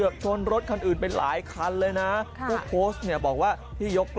วิทยาลัยศาสตร์อัศวิทยาลัยศาสตร์